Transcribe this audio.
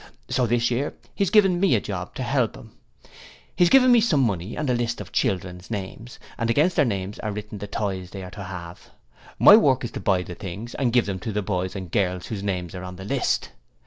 So this year he's given me a job to help him. He's given me some money and a list of children's names, and against their names are written the toys they are to have. My work is to buy the things and give them to the boys and girls whose names are on the list.'